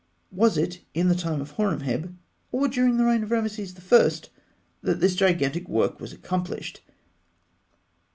Was it in the time of Horemheb, or during the reign of Rameses I., that this gigantic work was accomplished?